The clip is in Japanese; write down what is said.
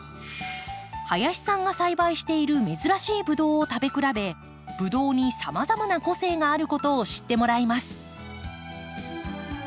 林さんが栽培している珍しいブドウを食べくらべブドウにさまざまな個性があることを知ってもらいます。